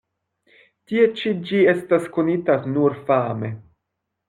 Tie ĉi ĝi estas konita nur fame.